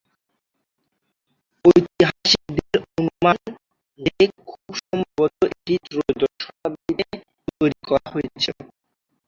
ঐতিহাসিকদের অনুমান যে খুব সম্ভবত এটি ত্রয়োদশ শতাব্দীতে তৈরি করা হয়েছিল।